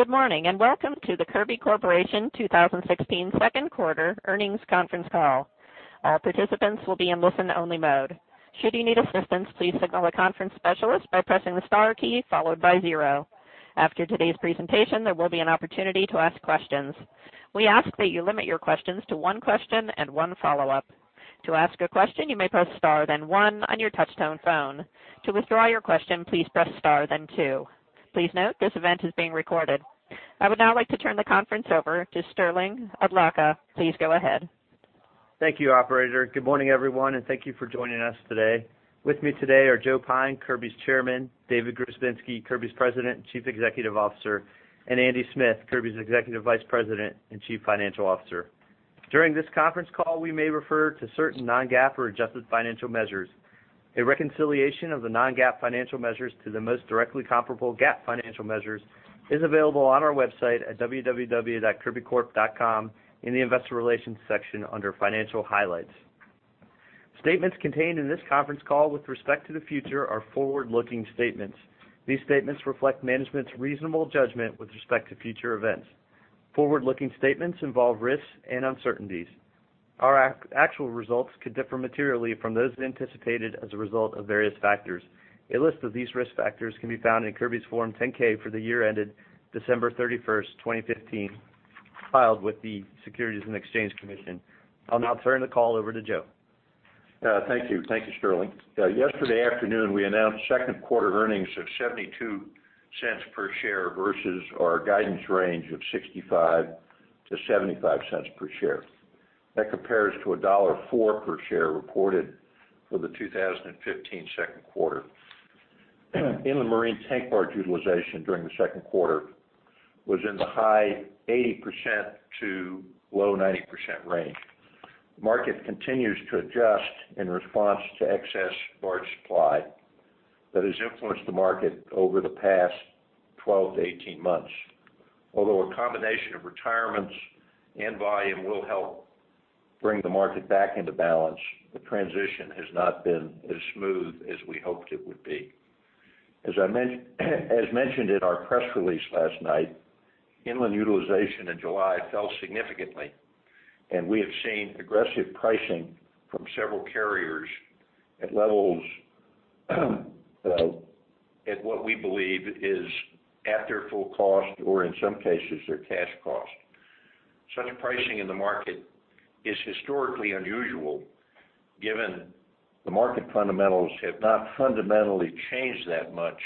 Good morning, and welcome to the Kirby Corporation 2016 Second Quarter Earnings Conference Call. All participants will be in listen-only mode. Should you need assistance, please signal a conference specialist by pressing the star key followed by zero. After today's presentation, there will be an opportunity to ask questions. We ask that you limit your questions to one question and one follow-up. To ask a question, you may press star, then one on your Touch-Tone phone. To withdraw your question, please press star, then two. Please note, this event is being recorded. I would now like to turn the conference over to Sterling Adlakha. Please go ahead. Thank you, operator. Good morning, everyone, and thank you for joining us today. With me today are Joe Pyne, Kirby's Chairman; David Grzebinski, Kirby's President and Chief Executive Officer; and Andy Smith, Kirby's Executive Vice President and Chief Financial Officer. During this conference call, we may refer to certain non-GAAP or adjusted financial measures. A reconciliation of the non-GAAP financial measures to the most directly comparable GAAP financial measures is available on our website at www.kirbycorp.com in the Investor Relations section under Financial Highlights. Statements contained in this conference call with respect to the future are forward-looking statements. These statements reflect management's reasonable judgment with respect to future events. Forward-looking statements involve risks and uncertainties. Our actual results could differ materially from those anticipated as a result of various factors. A list of these risk factors can be found in Kirby's Form 10-K for the year ended December thirty-first, 2015, filed with the Securities and Exchange Commission. I'll now turn the call over to Joe. Thank you. Thank you, Sterling. Yesterday afternoon, we announced second quarter earnings of $0.72 per share versus our guidance range of $0.65-$0.75 per share. That compares to $1.04 per share reported for the 2015 second quarter. Inland marine tank barge utilization during the second quarter was in the high 80% to low 90% range. Market continues to adjust in response to excess barge supply that has influenced the market over the past 12-18 months. Although a combination of retirements and volume will help bring the market back into balance, the transition has not been as smooth as we hoped it would be. As I mentioned, as mentioned in our press release last night, inland utilization in July fell significantly, and we have seen aggressive pricing from several carriers at levels at what we believe is at their full cost or in some cases, their cash cost. Such pricing in the market is historically unusual, given the market fundamentals have not fundamentally changed that much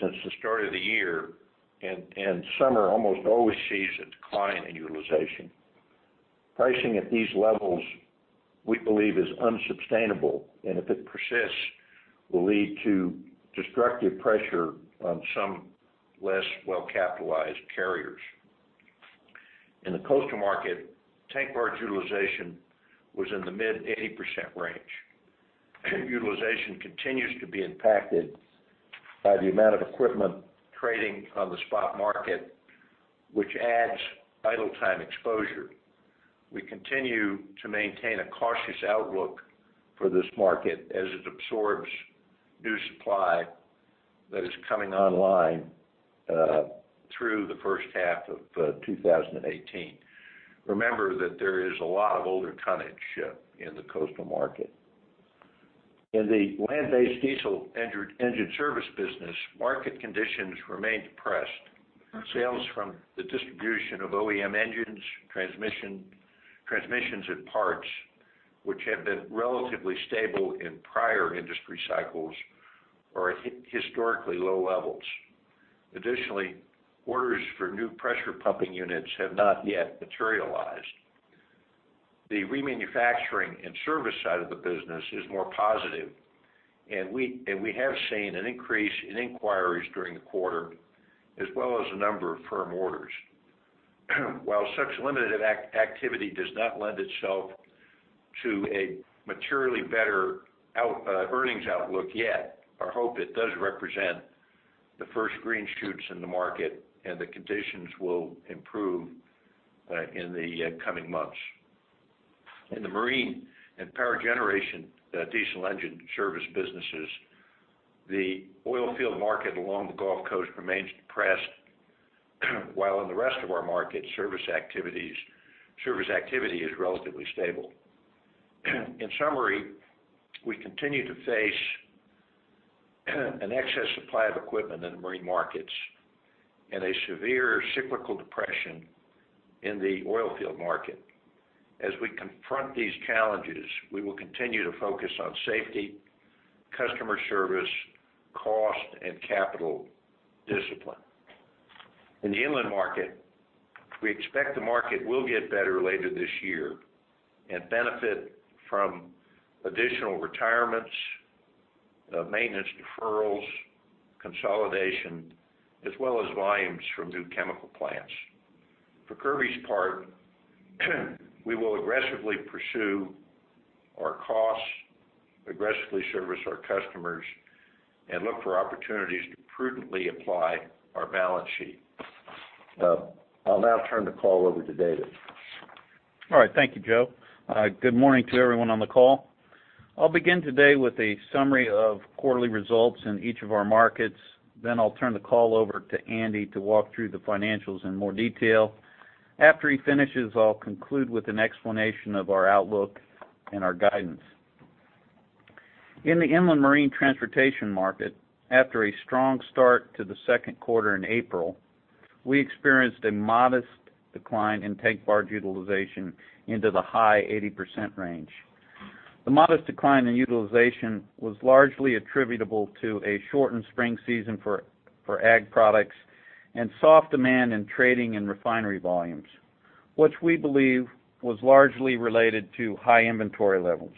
since the start of the year, and summer almost always sees a decline in utilization. Pricing at these levels, we believe is unsustainable, and if it persists, will lead to destructive pressure on some less well-capitalized carriers. In the coastal market, tank barge utilization was in the mid-80% range. Utilization continues to be impacted by the amount of equipment trading on the spot market, which adds idle time exposure. We continue to maintain a cautious outlook for this market as it absorbs new supply that is coming online, through the first half of 2018. Remember that there is a lot of older tonnage in the coastal market. In the land-based diesel engine, engine service business, market conditions remain depressed. Sales from the distribution of OEM engines, transmissions and parts, which have been relatively stable in prior industry cycles, are at historically low levels. Additionally, orders for new pressure pumping units have not yet materialized. The remanufacturing and service side of the business is more positive, and we have seen an increase in inquiries during the quarter, as well as a number of firm orders. While such limited activity does not lend itself to a materially better outlook yet, however, it does represent the first green shoots in the market, and the conditions will improve in the coming months. In the marine and power generation diesel engine service businesses, the oil field market along the Gulf Coast remains depressed, while in the rest of our market, service activity is relatively stable. In summary, we continue to face an excess supply of equipment in the marine markets and a severe cyclical depression in the oil field market. As we confront these challenges, we will continue to focus on safety, customer service, cost, and capital discipline. In the inland market, we expect the market will get better later this year and benefit from additional retirements, maintenance deferrals, consolidation, as well as volumes from new chemical plants. For Kirby's part, we will aggressively pursue our costs, aggressively service our customers, and look for opportunities to prudently apply our balance sheet. I'll now turn the call over to David.... All right. Thank you, Joe. Good morning to everyone on the call. I'll begin today with a summary of quarterly results in each of our markets, then I'll turn the call over to Andy to walk through the financials in more detail. After he finishes, I'll conclude with an explanation of our outlook and our guidance. In the inland marine transportation market, after a strong start to the second quarter in April, we experienced a modest decline in tank barge utilization into the high 80% range. The modest decline in utilization was largely attributable to a shortened spring season for ag products and soft demand in trading and refinery volumes, which we believe was largely related to high inventory levels.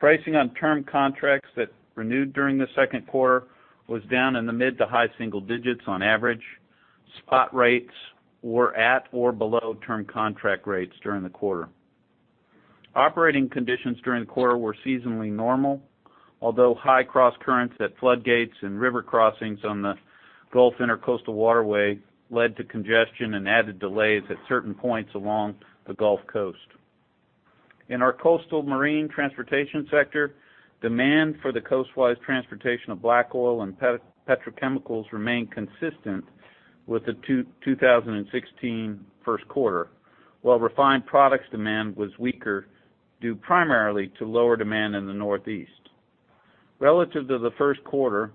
Pricing on term contracts that renewed during the second quarter was down in the mid- to high-single digits on average. Spot rates were at or below term contract rates during the quarter. Operating conditions during the quarter were seasonally normal, although high cross currents at floodgates and river crossings on the Gulf Intracoastal Waterway led to congestion and added delays at certain points along the Gulf Coast. In our coastal marine transportation sector, demand for the coastwise transportation of black oil and petrochemicals remained consistent with the 2016 first quarter, while refined products demand was weaker, due primarily to lower demand in the Northeast. Relative to the first quarter,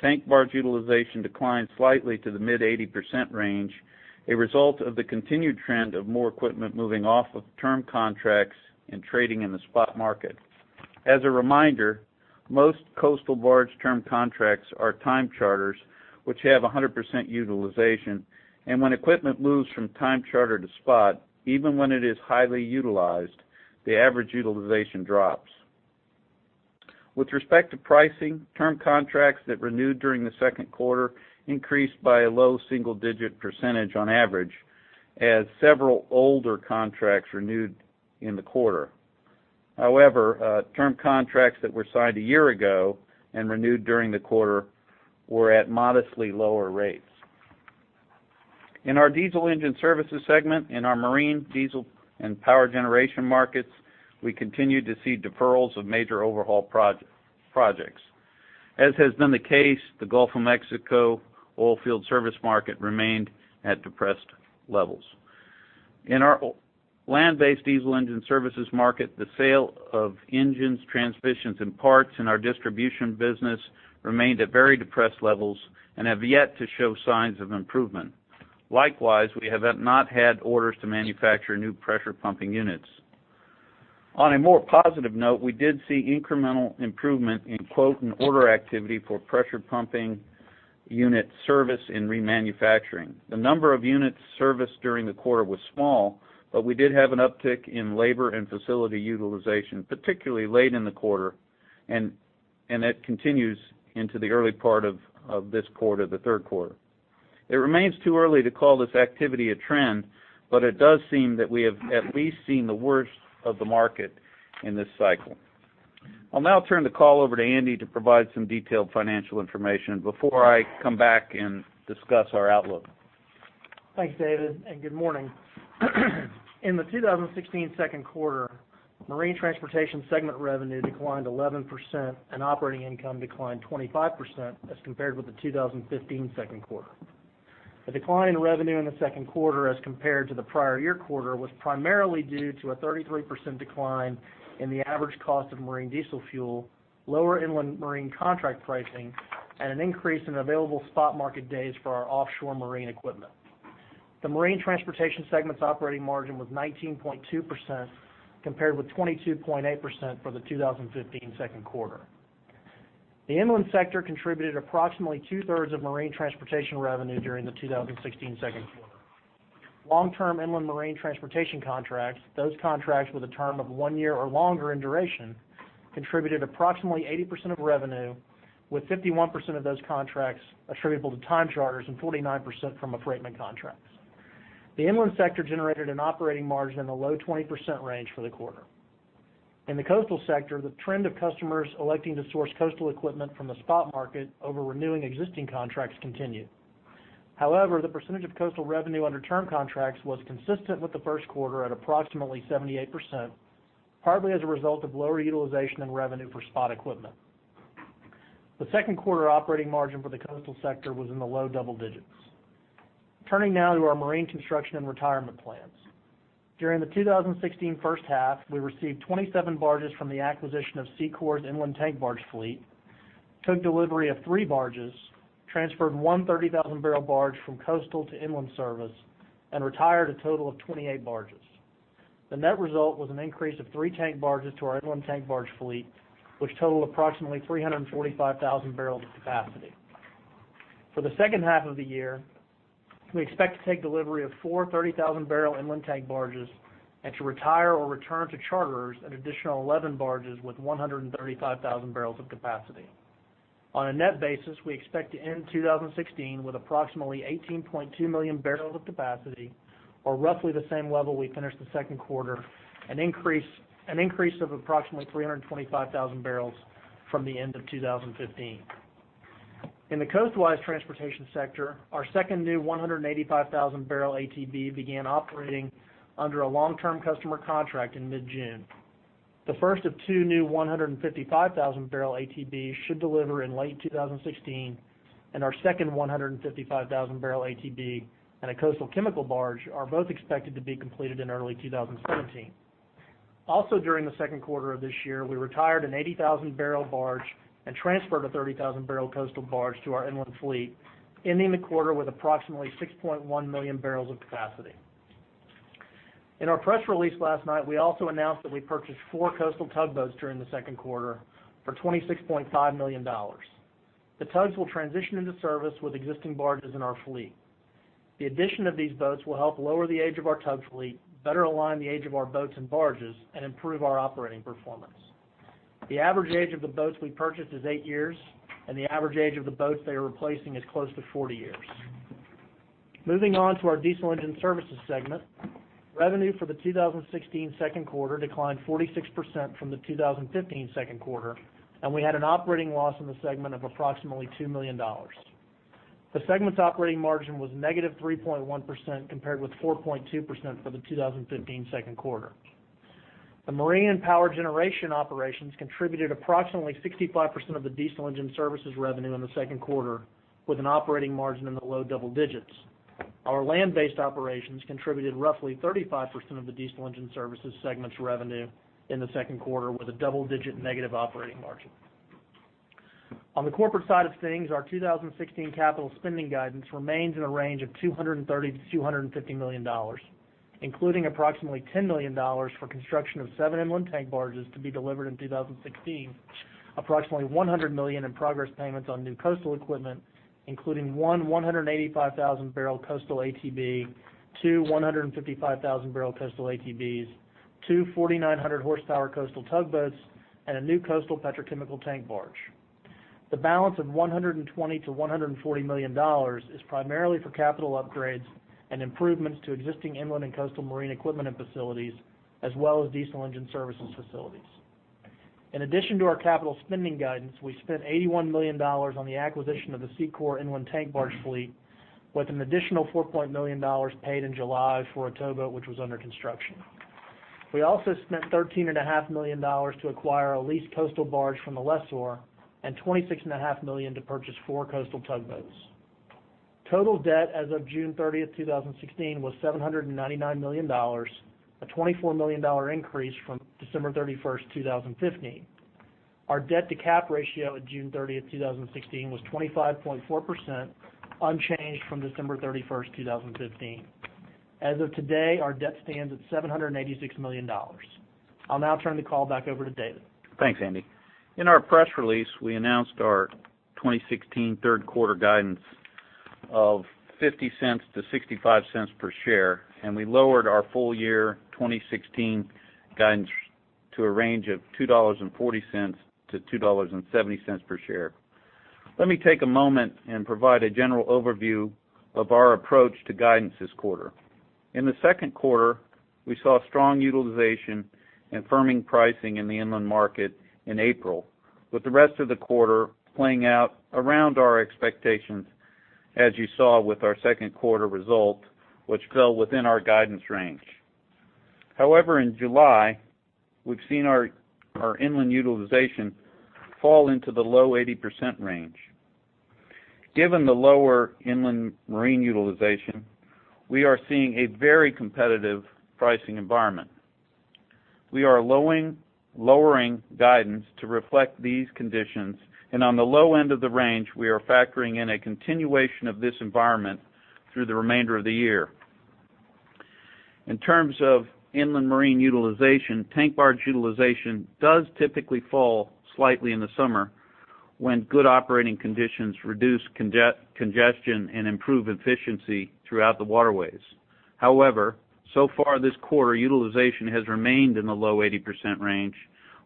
tank barge utilization declined slightly to the mid-80% range, a result of the continued trend of more equipment moving off of term contracts and trading in the spot market. As a reminder, most coastal barge term contracts are time charters, which have 100% utilization, and when equipment moves from time charter to spot, even when it is highly utilized, the average utilization drops. With respect to pricing, term contracts that renewed during the second quarter increased by a low single-digit percentage on average, as several older contracts renewed in the quarter. However, term contracts that were signed a year ago and renewed during the quarter were at modestly lower rates. In our diesel engine services segment, in our marine, diesel, and power generation markets, we continued to see deferrals of major overhaul projects. As has been the case, the Gulf of Mexico oil field service market remained at depressed levels. In our land-based diesel engine services market, the sale of engines, transmissions, and parts in our distribution business remained at very depressed levels and have yet to show signs of improvement. Likewise, we have not had orders to manufacture new pressure pumping units. On a more positive note, we did see incremental improvement in quote and order activity for pressure pumping unit service and remanufacturing. The number of units serviced during the quarter was small, but we did have an uptick in labor and facility utilization, particularly late in the quarter, and that continues into the early part of this quarter, the third quarter. It remains too early to call this activity a trend, but it does seem that we have at least seen the worst of the market in this cycle. I'll now turn the call over to Andy to provide some detailed financial information before I come back and discuss our outlook. Thanks, David, and good morning. In the 2016 second quarter, marine transportation segment revenue declined 11%, and operating income declined 25% as compared with the 2015 second quarter. The decline in revenue in the second quarter, as compared to the prior year quarter, was primarily due to a 33% decline in the average cost of marine diesel fuel, lower inland marine contract pricing, and an increase in available spot market days for our offshore marine equipment. The marine transportation segment's operating margin was 19.2%, compared with 22.8% for the 2015 second quarter. The inland sector contributed approximately two-thirds of marine transportation revenue during the 2016 second quarter. Long-term inland marine transportation contracts, those contracts with a term of one year or longer in duration, contributed approximately 80% of revenue, with 51% of those contracts attributable to time charters and 49% from affreightment contracts. The inland sector generated an operating margin in the low 20% range for the quarter. In the coastal sector, the trend of customers electing to source coastal equipment from the spot market over renewing existing contracts continued. However, the percentage of coastal revenue under term contracts was consistent with the first quarter at approximately 78%, partly as a result of lower utilization and revenue for spot equipment. The second quarter operating margin for the coastal sector was in the low double digits. Turning now to our marine construction and retirement plans. During the 2016 first half, we received 27 barges from the acquisition of SEACOR's inland tank barge fleet, took delivery of three barges, transferred one 30,000-barrel barge from coastal to inland service, and retired a total of 28 barges. The net result was an increase of three tank barges to our inland tank barge fleet, which totaled approximately 345,000 barrels of capacity. For the second half of the year, we expect to take delivery of four 30,000-barrel inland tank barges and to retire or return to charterers an additional 11 barges with 135,000 barrels of capacity. On a net basis, we expect to end 2016 with approximately 18.2 million barrels of capacity, or roughly the same level we finished the second quarter, an increase, an increase of approximately 325,000 barrels from the end of 2015. In the coastwise transportation sector, our second new 185,000-barrel ATB began operating under a long-term customer contract in mid-June. The first of two new 155,000-barrel ATBs should deliver in late 2016, and our second 155,000-barrel ATB and a coastal chemical barge are both expected to be completed in early 2017. Also, during the second quarter of this year, we retired an 80,000-barrel barge and transferred a 30,000-barrel coastal barge to our inland fleet, ending the quarter with approximately 6.1 million barrels of capacity. In our press release last night, we also announced that we purchased four coastal tugboats during the second quarter for $26.5 million. The tugs will transition into service with existing barges in our fleet. The addition of these boats will help lower the age of our tug fleet, better align the age of our boats and barges, and improve our operating performance. The average age of the boats we purchased is eight years, and the average age of the boats they are replacing is close to 40 years. Moving on to our diesel engine services segment. Revenue for the 2016 second quarter declined 46% from the 2015 second quarter, and we had an operating loss in the segment of approximately $2 million. The segment's operating margin was -3.1%, compared with 4.2% for the 2015 second quarter. The marine and power generation operations contributed approximately 65% of the diesel engine services revenue in the second quarter, with an operating margin in the low double digits. Our land-based operations contributed roughly 35% of the diesel engine services segment's revenue in the second quarter, with a double-digit negative operating margin. On the corporate side of things, our 2016 capital spending guidance remains in a range of $230 million-$250 million, including approximately $10 million for construction of seven inland tank barges to be delivered in 2016, approximately $100 million in progress payments on new coastal equipment, including one 185,000-barrel coastal ATB, two 155,000-barrel coastal ATBs, two 4,900-horsepower coastal tugboats, and a new coastal petrochemical tank barge. The balance of $120 million-$140 million is primarily for capital upgrades and improvements to existing inland and coastal marine equipment and facilities, as well as diesel engine services facilities. In addition to our capital spending guidance, we spent $81 million on the acquisition of the SEACOR inland tank barge fleet, with an additional $4 million paid in July for a towboat, which was under construction. We also spent $13.5 million to acquire a leased coastal barge from the lessor and $26.5 million to purchase four coastal tugboats. Total debt as of June 30th, 2016, was $799 million, a $24 million increase from December 31st, 2015. Our debt-to-cap ratio at June 30th, 2016, was 25.4%, unchanged from December 31st, 2015. As of today, our debt stands at $786 million. I'll now turn the call back over to David. Thanks, Andy. In our press release, we announced our 2016 third quarter guidance of $0.50-$0.65 per share, and we lowered our full-year 2016 guidance to a range of $2.40-$2.70 per share. Let me take a moment and provide a general overview of our approach to guidance this quarter. In the second quarter, we saw strong utilization and firming pricing in the inland market in April, with the rest of the quarter playing out around our expectations, as you saw with our second quarter results, which fell within our guidance range. However, in July, we've seen our inland utilization fall into the low 80% range. Given the lower inland marine utilization, we are seeing a very competitive pricing environment. We are lowering guidance to reflect these conditions, and on the low end of the range, we are factoring in a continuation of this environment through the remainder of the year. In terms of inland marine utilization, tank barge utilization does typically fall slightly in the summer when good operating conditions reduce congestion and improve efficiency throughout the waterways. However, so far this quarter, utilization has remained in the low 80% range,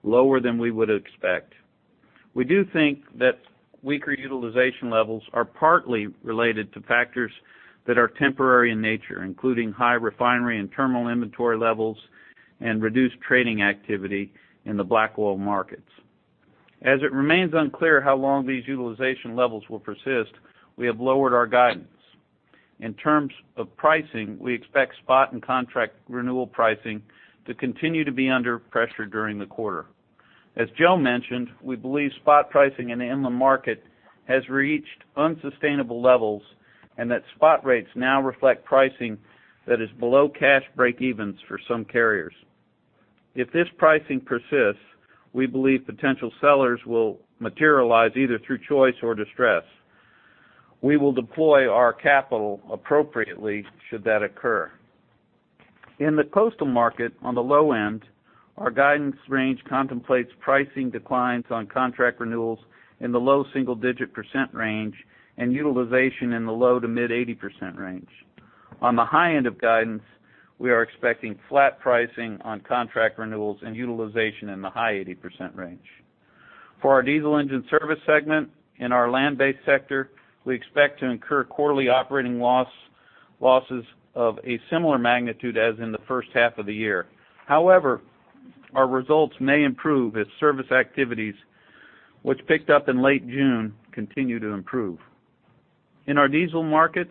lower than we would expect. We do think that weaker utilization levels are partly related to factors that are temporary in nature, including high refinery and terminal inventory levels and reduced trading activity in the black oil markets. As it remains unclear how long these utilization levels will persist, we have lowered our guidance. In terms of pricing, we expect spot and contract renewal pricing to continue to be under pressure during the quarter. As Joe mentioned, we believe spot pricing in the inland market has reached unsustainable levels and that spot rates now reflect pricing that is below cash breakevens for some carriers. If this pricing persists, we believe potential sellers will materialize either through choice or distress. We will deploy our capital appropriately should that occur. In the coastal market, on the low end, our guidance range contemplates pricing declines on contract renewals in the low single-digit % range and utilization in the low to mid-80% range. On the high end of guidance, we are expecting flat pricing on contract renewals and utilization in the high 80% range. For our diesel engine service segment in our land-based sector, we expect to incur quarterly operating loss, losses of a similar magnitude as in the first half of the year. However... Our results may improve as service activities, which picked up in late June, continue to improve. In our marine diesel markets,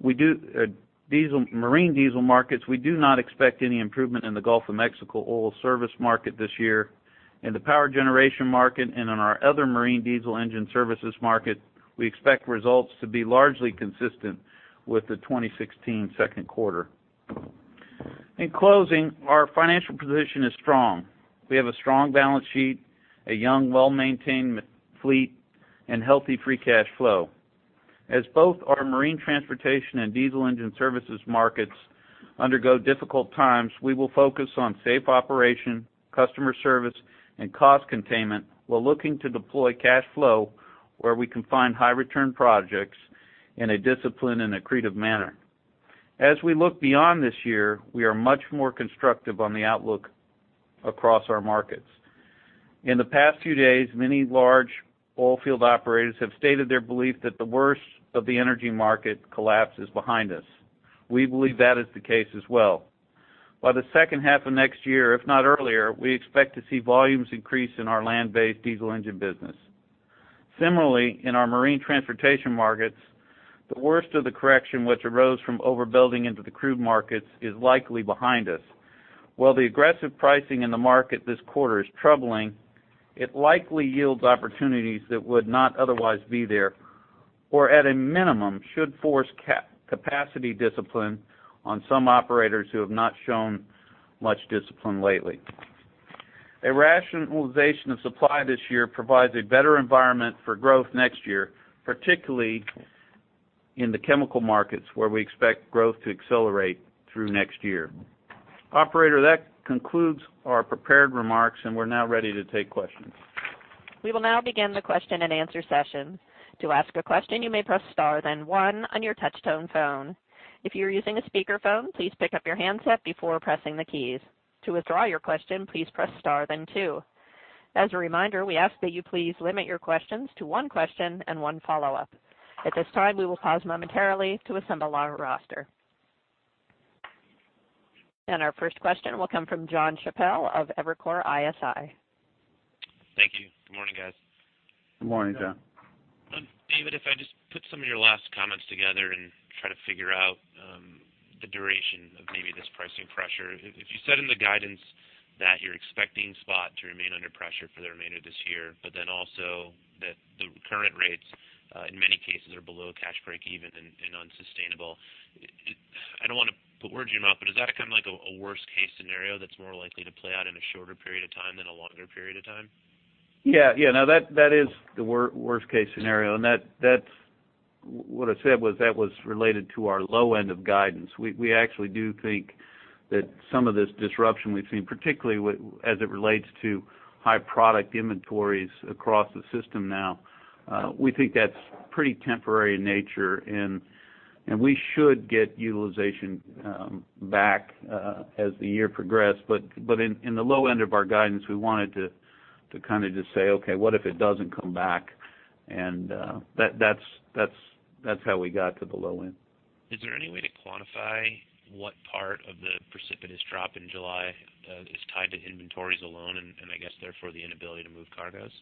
we do not expect any improvement in the Gulf of Mexico oil service market this year. In the power generation market and in our other marine diesel engine services market, we expect results to be largely consistent with the 2016 second quarter. In closing, our financial position is strong. We have a strong balance sheet, a young, well-maintained marine fleet, and healthy free cash flow. As both our marine transportation and diesel engine services markets undergo difficult times, we will focus on safe operation, customer service, and cost containment, while looking to deploy cash flow where we can find high return projects in a disciplined and accretive manner. As we look beyond this year, we are much more constructive on the outlook across our markets. In the past few days, many large oil field operators have stated their belief that the worst of the energy market collapse is behind us. We believe that is the case as well. By the second half of next year, if not earlier, we expect to see volumes increase in our land-based diesel engine business. Similarly, in our marine transportation markets, the worst of the correction, which arose from overbuilding into the crude markets, is likely behind us. While the aggressive pricing in the market this quarter is troubling, it likely yields opportunities that would not otherwise be there, or at a minimum, should force capacity discipline on some operators who have not shown much discipline lately. A rationalization of supply this year provides a better environment for growth next year, particularly in the chemical markets, where we expect growth to accelerate through next year. Operator, that concludes our prepared remarks, and we're now ready to take questions. We will now begin the question-and-answer session. To ask a question, you may press star, then one on your touch-tone phone. If you're using a speakerphone, please pick up your handset before pressing the keys. To withdraw your question, please press star, then two. As a reminder, we ask that you please limit your questions to one question and one follow-up. At this time, we will pause momentarily to assemble our roster. Our first question will come from Jon Chappell of Evercore ISI. Thank you. Good morning, guys. Good morning, Jon. David, if I just put some of your last comments together and try to figure out the duration of maybe this pricing pressure. If you said in the guidance that you're expecting spot to remain under pressure for the remainder of this year, but then also that the current rates in many cases are below cash breakeven and unsustainable. I don't want to put words in your mouth, but does that sound like a worst case scenario that's more likely to play out in a shorter period of time than a longer period of time? Yeah, yeah, no, that is the worst case scenario. And that's what I said was that was related to our low end of guidance. We actually do think that some of this disruption we've seen, particularly as it relates to high product inventories across the system now, we think that's pretty temporary in nature, and we should get utilization back as the year progressed. But in the low end of our guidance, we wanted to kind of just say, "Okay, what if it doesn't come back?" And that's how we got to the low end. Is there any way to quantify what part of the precipitous drop in July is tied to inventories alone, and, and I guess therefore, the inability to move cargoes?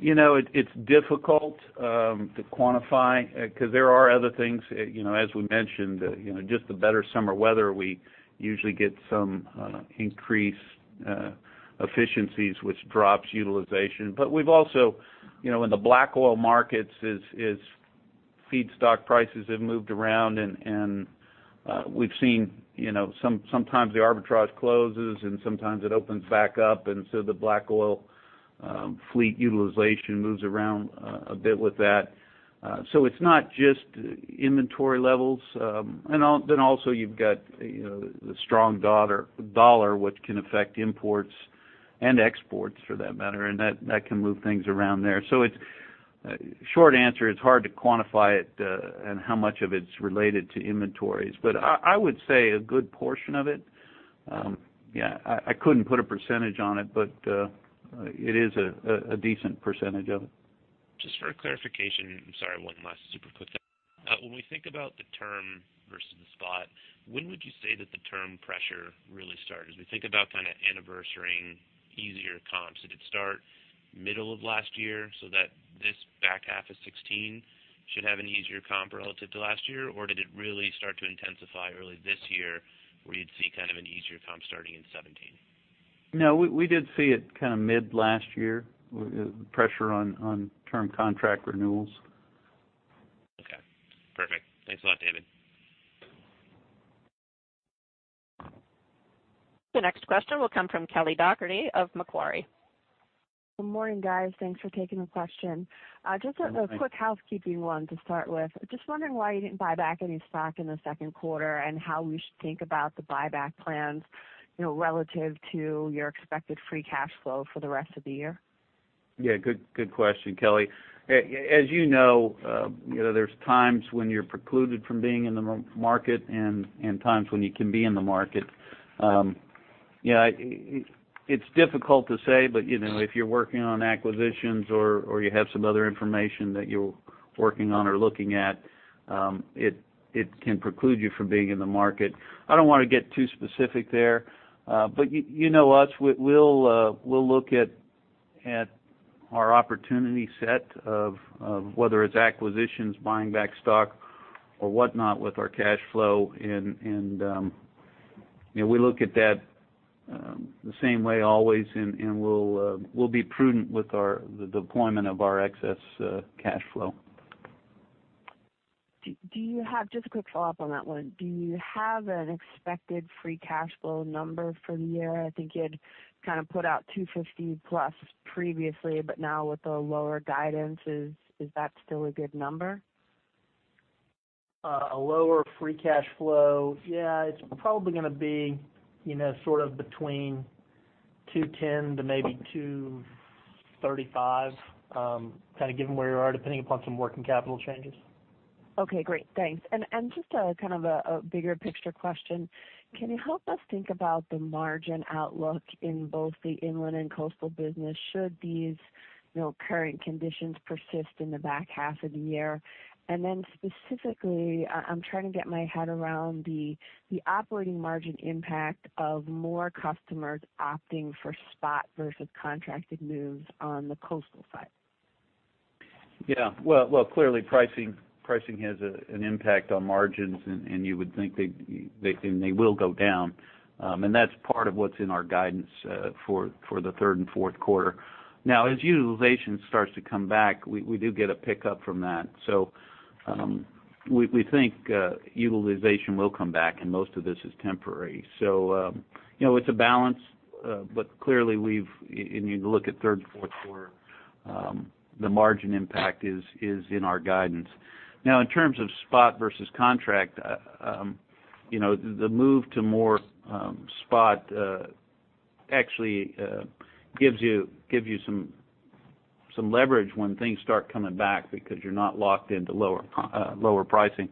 You know, it's difficult to quantify because there are other things, you know, as we mentioned, you know, just the better summer weather, we usually get some increase efficiencies, which drops utilization. But we've also, you know, in the black oil markets, as feedstock prices have moved around and, we've seen, you know, sometimes the arbitrage closes, and sometimes it opens back up, and so the black oil fleet utilization moves around a bit with that. So it's not just inventory levels. And then also you've got, you know, the strong dollar, which can affect imports and exports for that matter, and that can move things around there. So it's short answer, it's hard to quantify it, and how much of it's related to inventories. But I would say a good portion of it. Yeah, I couldn't put a percentage on it, but it is a decent percentage of it. Just for clarification, I'm sorry, one last super quick one. When we think about the term versus the spot, when would you say that the term pressure really started? As we think about kind of anniversarying easier comps, did it start middle of last year so that this back half of 2016 should have an easier comp relative to last year? Or did it really start to intensify early this year, where you'd see kind of an easier comp starting in 2017? No, we did see it kind of mid last year, the pressure on term contract renewals. Okay, perfect. Thanks a lot, David. The next question will come from Kelly Dougherty of Macquarie. Good morning, guys. Thanks for taking the question. Good morning. Just a quick housekeeping one to start with. Just wondering why you didn't buy back any stock in the second quarter and how we should think about the buyback plans, you know, relative to your expected free cash flow for the rest of the year? Yeah, good, good question, Kelly. As you know, you know, there's times when you're precluded from being in the market and times when you can be in the market. Yeah, it's difficult to say, but you know, if you're working on acquisitions or you have some other information that you're working on or looking at, it can preclude you from being in the market. I don't want to get too specific there, but you know us, we will look at our opportunity set of whether it's acquisitions, buying back stock or whatnot with our cash flow. And you know, we look at that the same way always, and we will be prudent with the deployment of our excess cash flow. Do you have... Just a quick follow-up on that one. Do you have an expected free cash flow number for the year? I think you had kind of put out $250+ previously, but now with the lower guidance, is that still a good number? A lower free cash flow? Yeah, it's probably gonna be, you know, sort of between $210 million to maybe $235 million, kind of given where you are, depending upon some working capital changes. Okay, great. Thanks. And just a kind of a bigger picture question, can you help us think about the margin outlook in both the inland and coastal business, should these, you know, current conditions persist in the back half of the year? And then specifically, I'm trying to get my head around the operating margin impact of more customers opting for spot versus contracted moves on the coastal side. Yeah. Well, clearly, pricing has an impact on margins, and you would think they will go down. And that's part of what's in our guidance for the third and fourth quarter. Now, as utilization starts to come back, we do get a pickup from that. So, we think utilization will come back, and most of this is temporary. So, you know, it's a balance, but clearly, we've... And you look at third and fourth quarter, the margin impact is in our guidance. Now, in terms of spot versus contract, you know, the move to more spot actually gives you some leverage when things start coming back because you're not locked into lower pricing.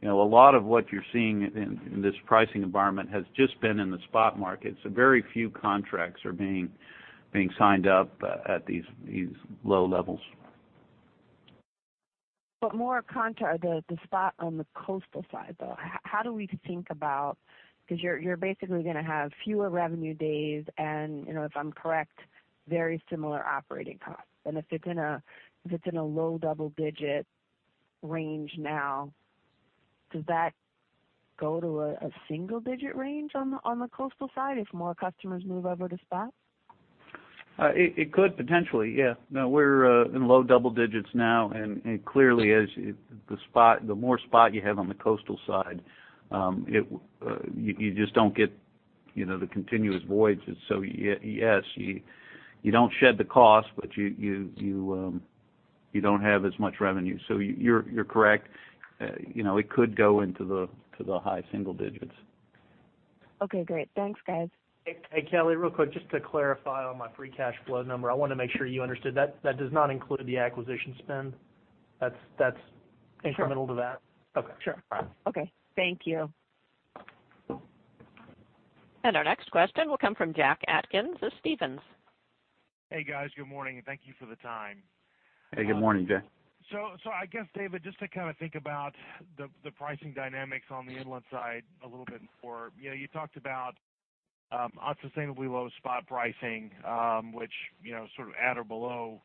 You know, a lot of what you're seeing in this pricing environment has just been in the spot market, so very few contracts are being signed up at these low levels. But more contrary to the spot on the coastal side, though, how do we think about. 'Cause you're basically gonna have fewer revenue days, and, you know, if I'm correct, very similar operating costs. And if it's in a low double-digit range now, does that go to a single-digit range on the coastal side if more customers move over to spot? It could potentially, yeah. No, we're in low double digits now, and clearly as the spot, the more spot you have on the coastal side, you just don't get, you know, the continuous voyages. So yes, you don't shed the cost, but you don't have as much revenue. So you're correct. You know, it could go into the high single digits. Okay, great. Thanks, guys. Hey, hey, Kelly, real quick, just to clarify on my free cash flow number, I want to make sure you understood, that, that does not include the acquisition spend. That's, that's- Sure. Incremental to that. Okay. Sure. Okay. Thank you. Our next question will come from Jack Atkins of Stephens. Hey, guys. Good morning, and thank you for the time. Hey, good morning, Jack. So, I guess, David, just to kind of think about the pricing dynamics on the inland side a little bit more, you know, you talked about unsustainably low spot pricing, which, you know, sort of at or below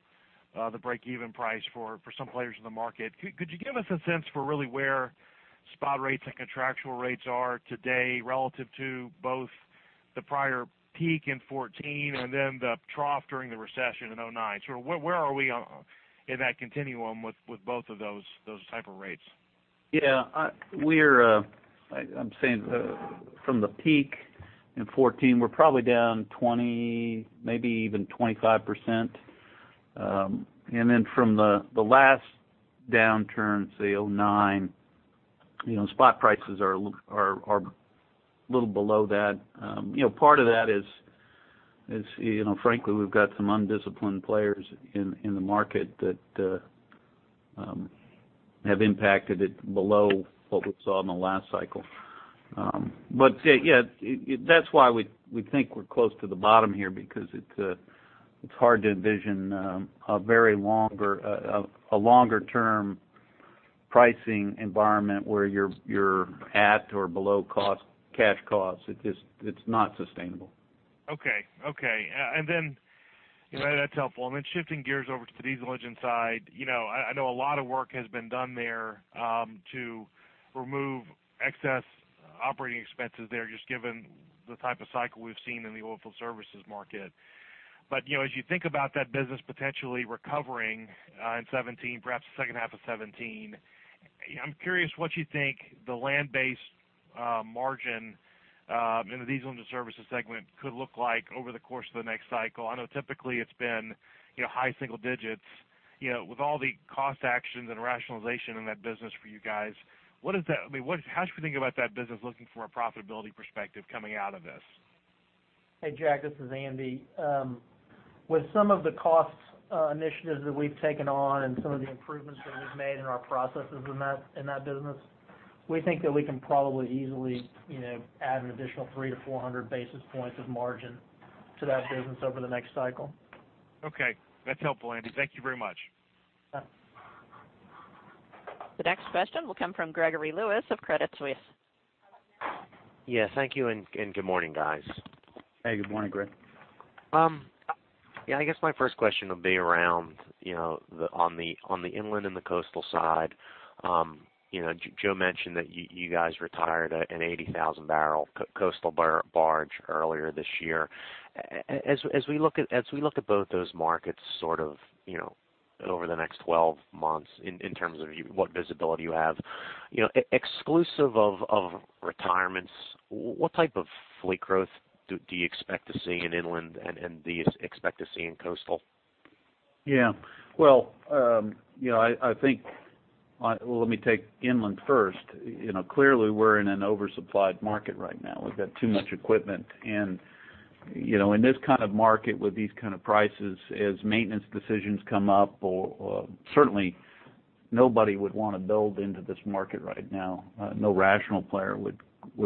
the break-even price for some players in the market. Could you give us a sense for really where spot rates and contractual rates are today relative to both the prior peak in 2014 and then the trough during the recession in 2009? So where are we in that continuum with both of those type of rates? Yeah, we're, I'm saying, from the peak in 2014, we're probably down 20, maybe even 25%. And then from the last downturn, say, 2009, you know, spot prices are a little below that. You know, part of that is, you know, frankly, we've got some undisciplined players in the market that have impacted it below what we saw in the last cycle. But yeah, yeah, it, that's why we think we're close to the bottom here, because it's hard to envision a very longer, a longer-term pricing environment where you're at or below cost, cash costs. It just, it's not sustainable. Okay, okay. And then, you know, that's helpful. And then shifting gears over to the diesel engine side, you know, I, I know a lot of work has been done there, to remove excess operating expenses there, just given the type of cycle we've seen in the oilfield services market. But, you know, as you think about that business potentially recovering, in 2017, perhaps the second half of 2017, I'm curious what you think the land-based, margin, in the diesel engine services segment could look like over the course of the next cycle. I know typically it's been, you know, high single digits. You know, with all the cost actions and rationalization in that business for you guys, what does that, I mean, what, how should we think about that business looking from a profitability perspective coming out of this? Hey, Jack, this is Andy.... With some of the costs initiatives that we've taken on and some of the improvements that we've made in our processes in that, in that business, we think that we can probably easily, you know, add an additional 300-400 basis points of margin to that business over the next cycle. Okay, that's helpful, Andy. Thank you very much. Yeah. The next question will come from Gregory Lewis of Credit Suisse. Yes, thank you, and good morning, guys. Hey, good morning, Greg. Yeah, I guess my first question will be around, you know, on the inland and the coastal side. You know, Joe mentioned that you guys retired an 80,000-barrel coastal barge earlier this year. As we look at both those markets, sort of, you know, over the next 12 months, in terms of what visibility you have, you know, exclusive of retirements, what type of fleet growth do you expect to see in inland and do you expect to see in coastal? Yeah. Well, you know, I think, let me take inland first. You know, clearly, we're in an oversupplied market right now. We've got too much equipment. And, you know, in this kind of market, with these kind of prices, as maintenance decisions come up or certainly nobody would want to build into this market right now. No rational player would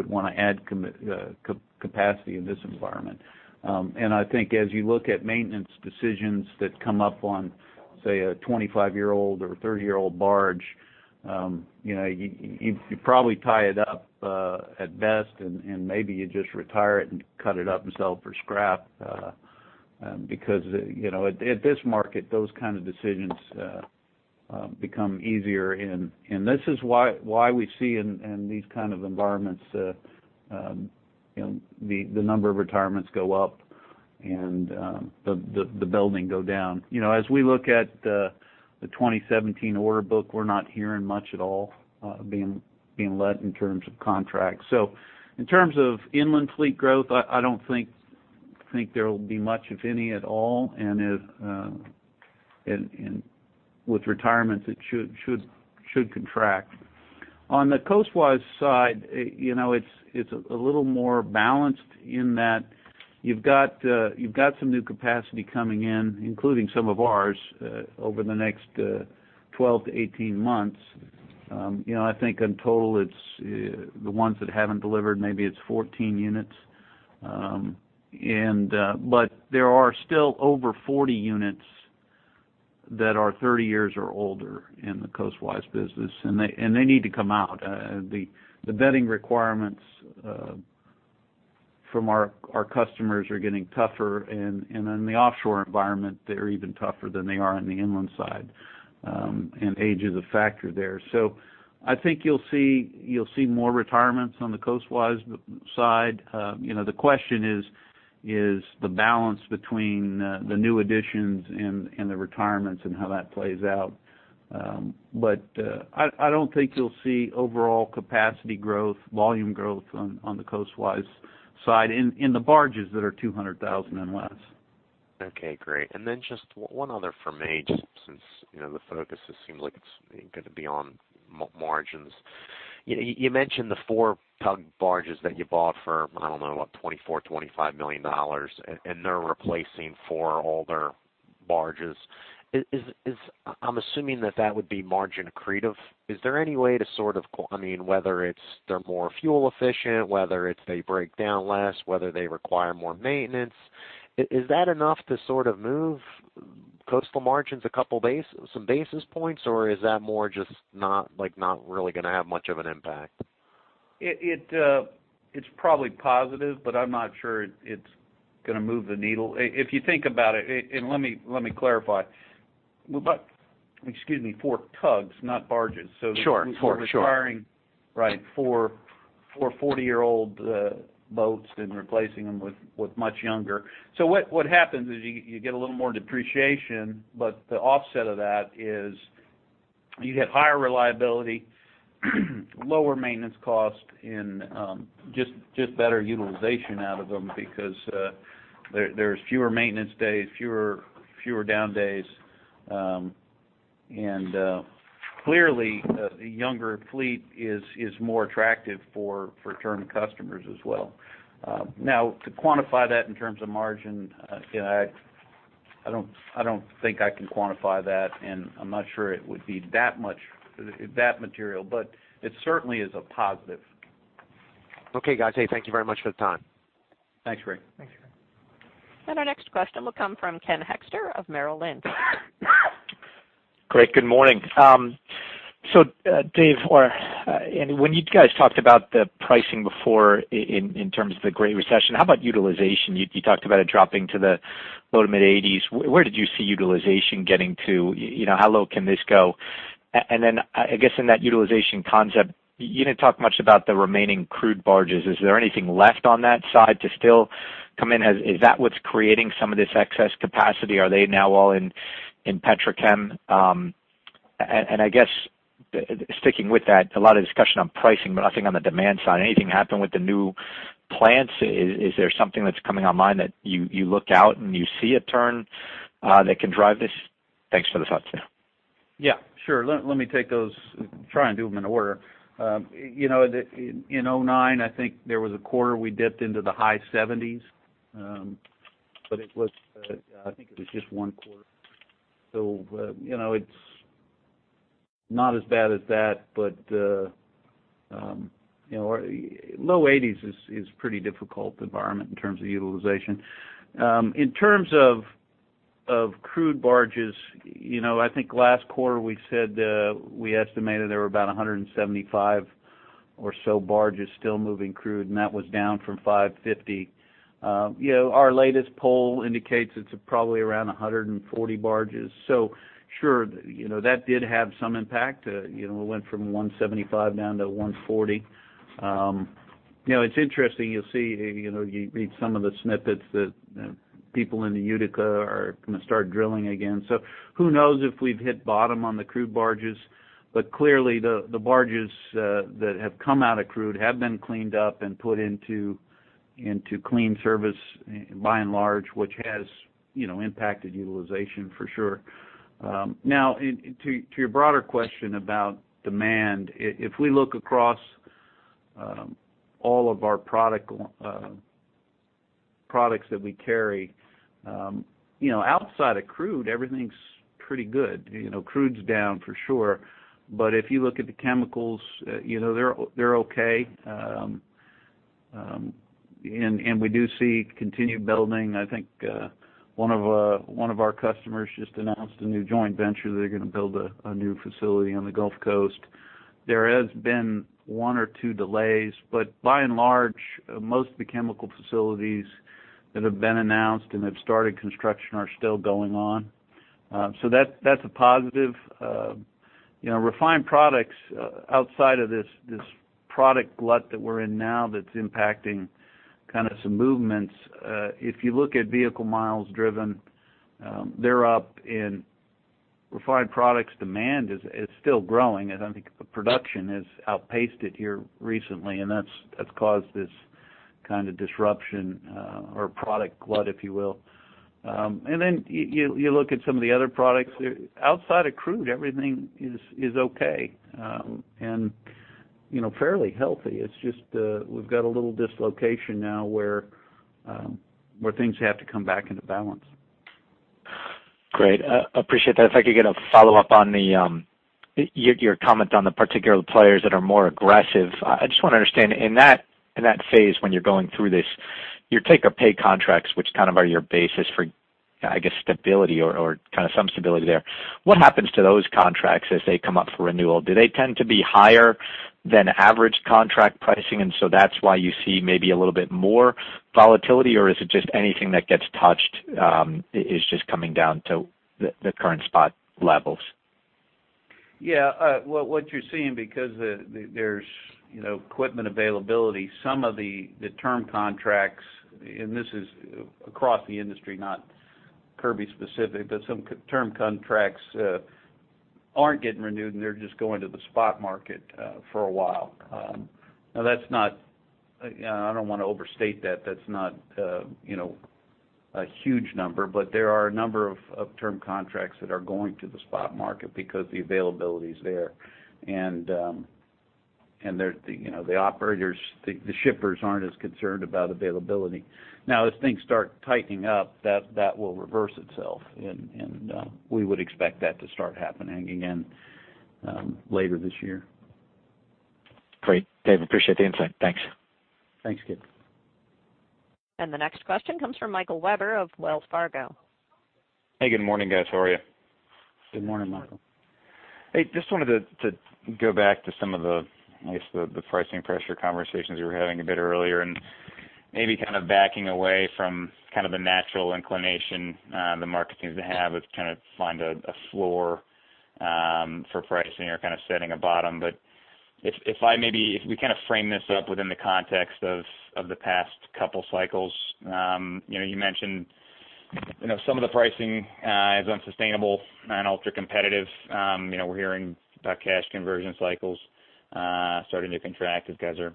wanna add capacity in this environment. And I think as you look at maintenance decisions that come up on, say, a 25-year-old or 30-year-old barge, you know, you probably tie it up, at best, and maybe you just retire it and cut it up and sell it for scrap. Because, you know, at this market, those kind of decisions become easier. This is why we see in these kind of environments, you know, the number of retirements go up and the building go down. You know, as we look at the 2017 order book, we're not hearing much at all, being let in terms of contracts. So in terms of inland fleet growth, I don't think there will be much, if any, at all. And with retirements, it should contract. On the coastwise side, you know, it's a little more balanced in that you've got some new capacity coming in, including some of ours, over the next 12-18 months. You know, I think in total, it's the ones that haven't delivered, maybe it's 14 units. But there are still over 40 units that are 30 years or older in the coastwise business, and they need to come out. The vetting requirements from our customers are getting tougher, and in the offshore environment, they're even tougher than they are on the inland side. And age is a factor there. So I think you'll see more retirements on the coastwise side. You know, the question is the balance between the new additions and the retirements and how that plays out. But I don't think you'll see overall capacity growth, volume growth on the coastwise side in the barges that are 200,000 and less. Okay, great. And then just one other for me, just since, you know, the focus seems like it's gonna be on margins. You know, you mentioned the four tug barges that you bought for, I don't know, what? $24 million-$25 million, and they're replacing four older barges. Is I'm assuming that that would be margin accretive. Is there any way to sort of. I mean, whether it's they're more fuel efficient, whether it's they break down less, whether they require more maintenance, is that enough to sort of move coastal margins a couple base, some basis points, or is that more just not, like, not really gonna have much of an impact? It's probably positive, but I'm not sure it's gonna move the needle. If you think about it, and let me clarify. We bought, excuse me, four tugs, not barges. Sure. Sure, sure. So we're acquiring, right, four 40-year-old boats and replacing them with much younger. So what happens is you get a little more depreciation, but the offset of that is you get higher reliability, lower maintenance cost, and just better utilization out of them because there's fewer maintenance days, fewer down days. And clearly, a younger fleet is more attractive for term customers as well. Now, to quantify that in terms of margin, you know, I don't think I can quantify that, and I'm not sure it would be that much, that material, but it certainly is a positive. Okay, guys. Hey, thank you very much for the time. Thanks, Greg. Thanks, Greg. Our next question will come from Ken Hoexter of Merrill Lynch. Greg, good morning. So, Dave, or Andy, when you guys talked about the pricing before in terms of the Great Recession, how about utilization? You talked about it dropping to the low to mid-80s. Where did you see utilization getting to? You know, how low can this go? And then, I guess, in that utilization concept, you didn't talk much about the remaining crude barges. Is there anything left on that side to still come in? Is that what's creating some of this excess capacity? Are they now all in petrochem? And I guess, sticking with that, a lot of discussion on pricing, but nothing on the demand side. Anything happen with the new plants? Is there something that's coming online that you look out, and you see a turn that can drive this? Thanks for the thoughts there. Yeah, sure. Let me take those, try and do them in order. You know, in 2009, I think there was a quarter we dipped into the high 70s. But it was, I think it was just one quarter. So, you know, it's not as bad as that. But, you know, our low 80s is pretty difficult environment in terms of utilization. In terms of crude barges, you know, I think last quarter, we said, we estimated there were about 175 or so barges still moving crude, and that was down from 550. You know, our latest poll indicates it's probably around 140 barges. So sure, you know, that did have some impact. You know, it went from 175 down to 140. You know, it's interesting. You'll see, you know, you read some of the snippets that people in the Utica are gonna start drilling again. So who knows if we've hit bottom on the crude barges, but clearly, the barges that have come out of crude have been cleaned up and put into clean service, by and large, which has, you know, impacted utilization for sure. Now, to your broader question about demand, if we look across all of our product products that we carry, you know, outside of crude, everything's pretty good. You know, crude's down for sure, but if you look at the chemicals, you know, they're okay. And we do see continued building. I think one of our customers just announced a new joint venture. They're gonna build a new facility on the Gulf Coast. There has been one or two delays, but by and large, most of the chemical facilities that have been announced and have started construction are still going on. So that's a positive. You know, refined products, outside of this product glut that we're in now, that's impacting kind of some movements, if you look at vehicle miles driven, they're up, and refined products demand is still growing, and I think production has outpaced it here recently, and that's caused this kind of disruption, or product glut, if you will. And then you look at some of the other products. Outside of crude, everything is okay, and you know, fairly healthy. It's just, we've got a little dislocation now where things have to come back into balance. Great. Appreciate that. If I could get a follow-up on your comment on the particular players that are more aggressive. I just want to understand, in that phase, when you're going through this, your take or pay contracts, which kind of are your basis for, I guess, stability or kind of some stability there, what happens to those contracts as they come up for renewal? Do they tend to be higher than average contract pricing, and so that's why you see maybe a little bit more volatility? Or is it just anything that gets touched is just coming down to the current spot levels? Yeah, what you're seeing, because there's, you know, equipment availability, some of the term contracts, and this is across the industry, not Kirby specific. But some term contracts aren't getting renewed, and they're just going to the spot market for a while. Now that's not... I don't want to overstate that. That's not, you know, a huge number, but there are a number of term contracts that are going to the spot market because the availability is there. And they're, you know, the operators, the shippers aren't as concerned about availability. Now, as things start tightening up, that will reverse itself, and we would expect that to start happening again later this year. Great, Dave, appreciate the insight. Thanks. Thanks, Ken. The next question comes from Michael Webber of Wells Fargo. Hey, good morning, guys. How are you? Good morning, Michael. Hey, just wanted to go back to some of the, I guess, the pricing pressure conversations you were having a bit earlier, and maybe kind of backing away from kind of the natural inclination, the market seems to have, with kind of find a floor for pricing or kind of setting a bottom. But if I maybe, if we kind of frame this up within the context of the past couple cycles, you know, you mentioned, you know, some of the pricing is unsustainable and ultra-competitive. You know, we're hearing about cash conversion cycles starting to contract as guys are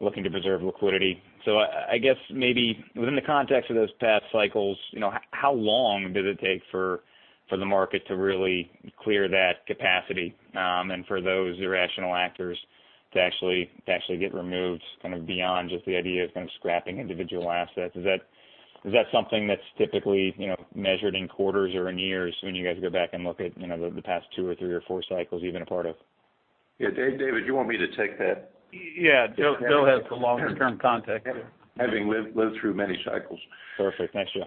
looking to preserve liquidity. So I guess maybe within the context of those past cycles, you know, how long does it take for the market to really clear that capacity, and for those irrational actors to actually get removed, kind of beyond just the idea of kind of scrapping individual assets? Is that something that's typically, you know, measured in quarters or in years when you guys go back and look at, you know, the past two or three or four cycles, even a part of? Yeah. David, you want me to take that? Yeah, Joe, go ahead. He has the longer-term context. Having lived through many cycles. Perfect. Thanks, Joe.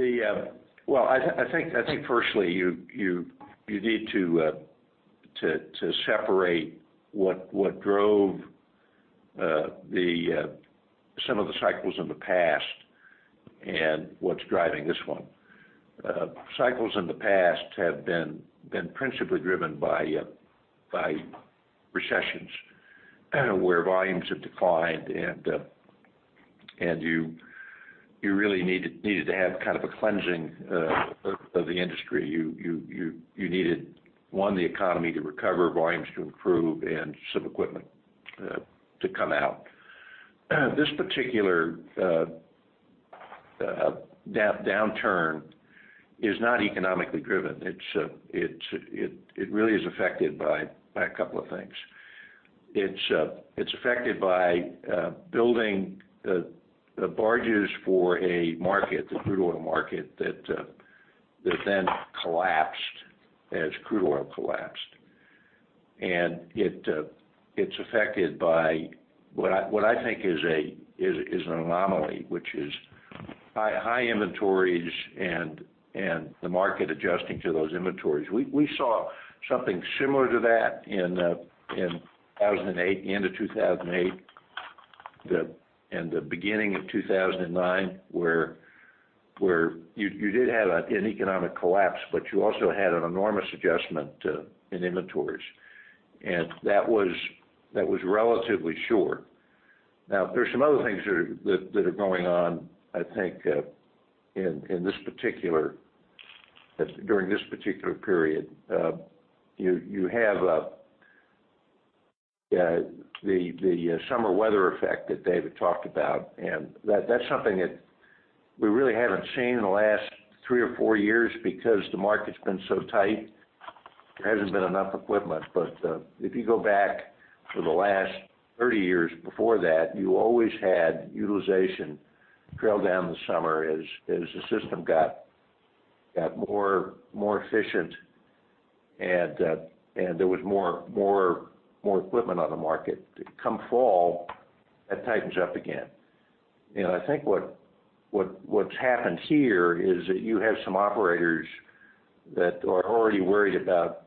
Yeah, Well, I, I think, I think firstly, you, you, you need to, to, to separate what, what drove, some of the cycles in the past and what's driving this one. Cycles in the past have been, been principally driven by, by recessions, where volumes have declined, and, and you, you really needed, needed to have kind of a cleansing, of, of the industry. You, you, you, you needed, one, the economy to recover, volumes to improve, and some equipment, to come out. This particular, that downturn is not economically driven. It's, it's, it, it really is affected by, by a couple of things. It's, it's affected by, building the, the barges for a market, the crude oil market, that, that then collapsed as crude oil collapsed. And it's affected by what I think is an anomaly, which is high inventories and the market adjusting to those inventories. We saw something similar to that in 2008, the end of 2008 and the beginning of 2009, where you did have an economic collapse, but you also had an enormous adjustment in inventories, and that was relatively short. Now, there's some other things that are going on, I think, during this particular period. You have the summer weather effect that David talked about, and that's something that we really haven't seen in the last three or four years because the market's been so tight. There hasn't been enough equipment. But if you go back to the last 30 years before that, you always had utilization trail down the summer as the system got more efficient, and there was more equipment on the market. Come fall, that tightens up again. You know, I think what's happened here is that you have some operators that are already worried about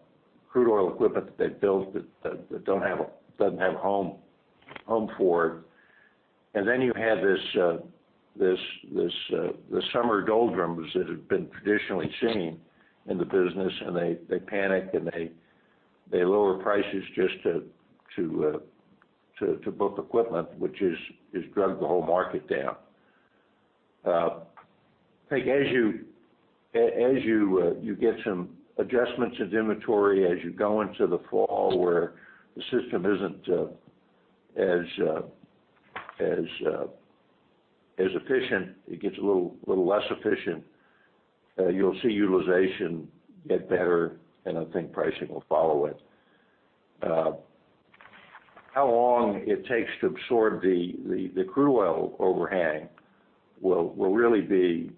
crude oil equipment that they've built that doesn't have a home for. And then you have this the summer doldrums that have been traditionally seen in the business, and they panic, and they lower prices just to book equipment, which has dragged the whole market down. I think as you get some adjustments in inventory, as you go into the fall, where the system isn't as efficient, it gets a little less efficient, you'll see utilization get better, and I think pricing will follow it. How long it takes to absorb the crude oil overhang will really be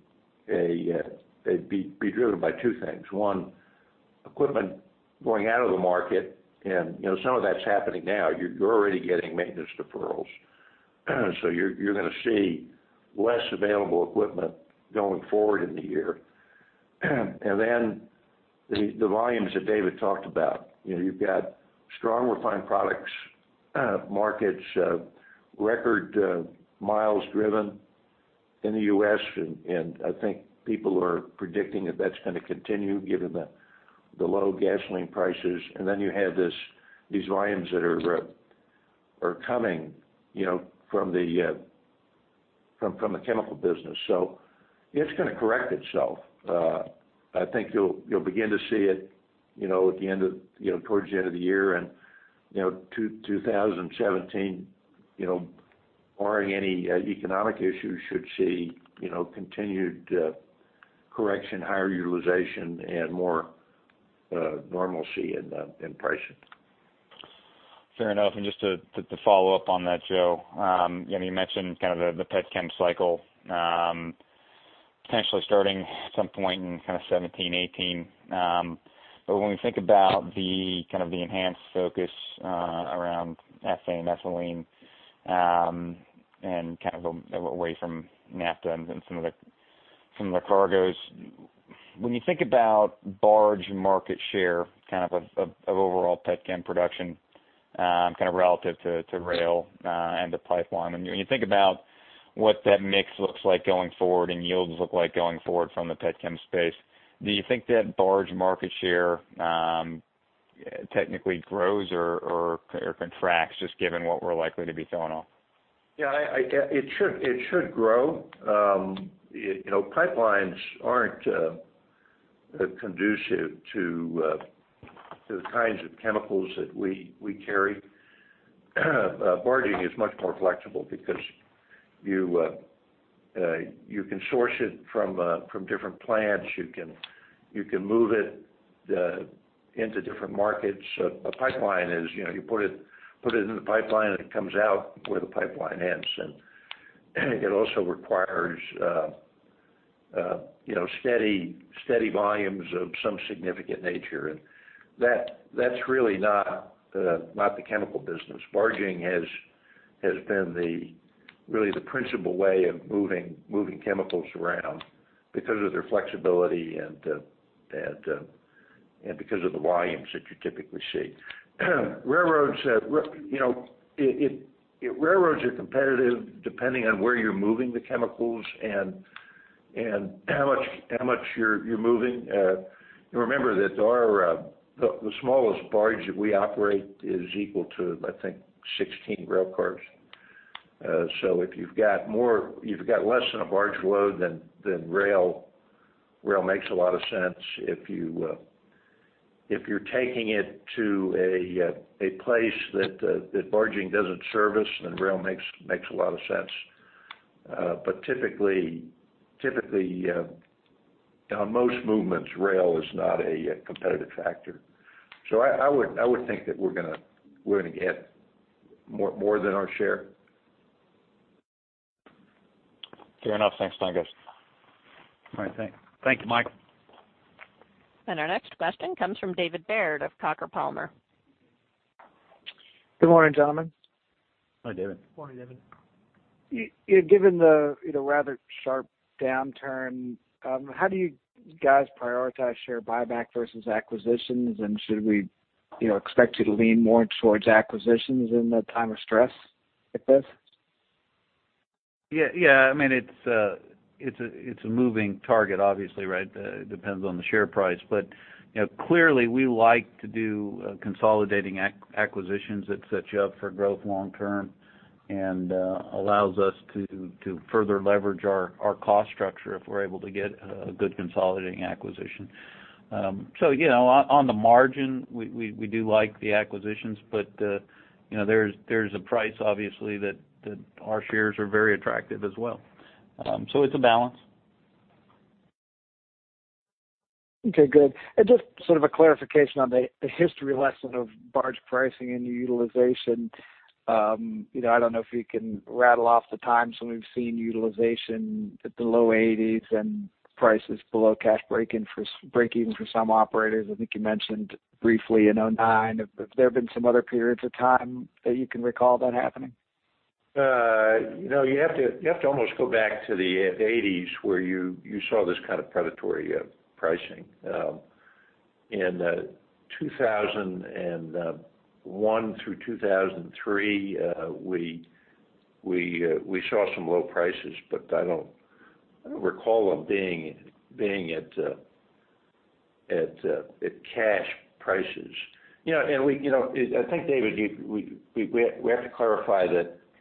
a, it'd be driven by two things. One, equipment going out of the market, and, you know, some of that's happening now. You're already getting maintenance deferrals, so you're gonna see less available equipment going forward in the year. And then the volumes that David talked about, you know, you've got strong refined products markets, record miles driven in the U.S., and I think people are predicting that that's gonna continue, given the low gasoline prices. And then you have these volumes that are coming, you know, from the chemical business. So it's gonna correct itself. I think you'll begin to see it, you know, at the end of, you know, towards the end of the year. And, you know, 2017, you know, barring any economic issues, should see, you know, continued correction, higher utilization, and more normalcy in the pricing. Fair enough. And just to follow up on that, Joe, you know, you mentioned kind of the petchem cycle potentially starting at some point in kind of 2017, 2018. But when we think about the kind of the enhanced focus around ethane, ethylene, and kind of away from naphtha and some of the cargoes. When you think about barge market share kind of of overall petchem production kind of relative to rail and to pipeline, and when you think about what that mix looks like going forward and yields look like going forward from the petchem space, do you think that barge market share technically grows or contracts, just given what we're likely to be seeing offshore? Yeah, it should grow. You know, pipelines aren't conducive to the kinds of chemicals that we carry. Barging is much more flexible because you can source it from different plants. You can move it into different markets. A pipeline is, you know, you put it in the pipeline, and it comes out where the pipeline ends. And it also requires, you know, steady volumes of some significant nature, and that's really not the chemical business. Barging has been really the principal way of moving chemicals around because of their flexibility and because of the volumes that you typically see. Railroads, you know, it, railroads are competitive, depending on where you're moving the chemicals and how much you're moving. Remember that our the smallest barge that we operate is equal to, I think, 16 rail cars. So if you've got less than a barge load, then rail makes a lot of sense. If you're taking it to a place that barging doesn't service, then rail makes a lot of sense. But typically, on most movements, rail is not a competitive factor. So I would think that we're gonna get more than our share. Fair enough. Thanks, guys. All right, thank you, Mike. Our next question comes from David Beard of Coker & Palmer. Good morning, gentlemen. Hi, David. Morning, David. Given the, you know, rather sharp downturn, how do you guys prioritize share buyback versus acquisitions? And should we, you know, expect you to lean more towards acquisitions in a time of stress like this? Yeah, yeah. I mean, it's a moving target, obviously, right? It depends on the share price. But, you know, clearly, we like to do consolidating acquisitions that set you up for growth long term, and allows us to further leverage our cost structure if we're able to get a good consolidating acquisition. So, you know, on the margin, we do like the acquisitions, but, you know, there's a price, obviously, that our shares are very attractive as well. So it's a balance. Okay, good. And just sort of a clarification on the history lesson of barge pricing and utilization. You know, I don't know if you can rattle off the times when we've seen utilization at the low 80s and prices below cash breakeven for some operators. I think you mentioned briefly in 2009. Have there been some other periods of time that you can recall that happening? You know, you have to almost go back to the 1980s where you saw this kind of predatory pricing. In 2001 through 2003, we saw some low prices, but I don't recall them being at cash prices. You know, and we, you know, it I, think, David, we have to clarify